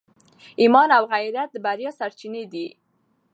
ایمان او غیرت د بریا سرچینې دي.